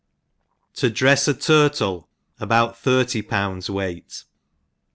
To drefs ^ Turtle about thirty pounds weight.